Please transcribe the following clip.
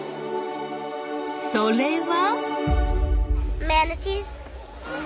それは。